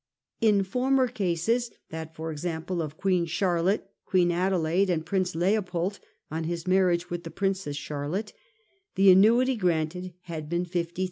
In former cases — that, for example, of Queen Charlotte, Queen Adelaide, and Prince Leopold on his marriage with the Princess Charlotte — the annuity granted had been 50,000